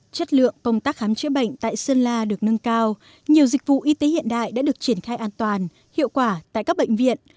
chất lượng công tác khám chữa bệnh tại sơn la được nâng cao nhiều dịch vụ y tế hiện đại đã được triển khai an toàn hiệu quả tại các bệnh viện